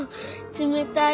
つめたい。